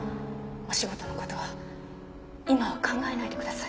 お仕事の事は今は考えないでください。